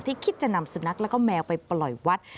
คิดจะนำสุนัขแล้วก็แมวไปปล่อยวัด